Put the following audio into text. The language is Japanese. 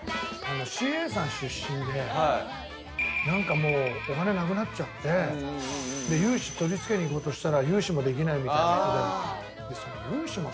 ＣＡさん出身で何かもうお金なくなっちゃって融資取り付けに行こうとしたら融資もできないみたいな人で。